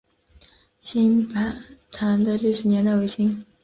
新坂堂的历史年代为清。